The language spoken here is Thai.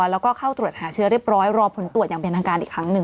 แล้วก็เข้าตรวจหาเชื้อเรียบร้อยรอผลตรวจอย่างเป็นทางการอีกครั้งหนึ่ง